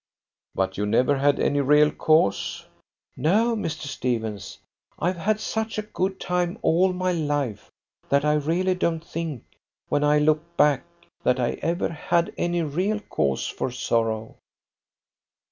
"But you never had any real cause?" "No, Mr. Stephens, I've had such a good time all my life that I really don't think, when I look back, that I ever had any real cause for sorrow."